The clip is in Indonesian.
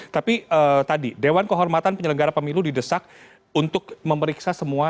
tapi tadi dewan kehormatan penyelenggara pemilu didesak untuk memeriksa semua